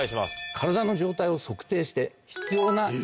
体の状態を測定して。